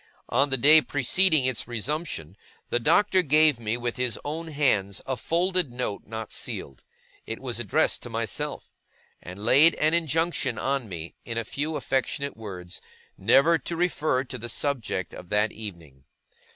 On the day preceding its resumption, the Doctor gave me with his own hands a folded note not sealed. It was addressed to myself; and laid an injunction on me, in a few affectionate words, never to refer to the subject of that evening.